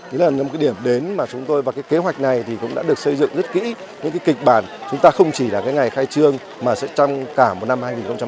đó là một điểm đến mà chúng tôi và kế hoạch này cũng đã được xây dựng rất kỹ những kịch bản chúng ta không chỉ là ngày khai trương mà sẽ trong cả năm hai nghìn một mươi tám